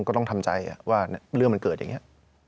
ก็ต้องทำใจว่าเรื่องมันเกิดอย่างนี้